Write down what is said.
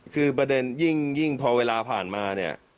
คือประเด็นยิ่งพอเวลาผ่านมาเนี่ย